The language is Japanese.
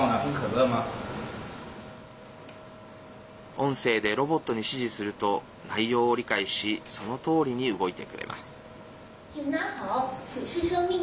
音声でロボットに指示すると内容を理解しそのとおりに動いてくれます。